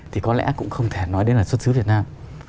thì có lẽ cũng không thể nói đến là xuất xứ việt nam